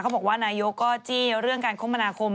บอกว่านายกก็จี้เรื่องการคมนาคม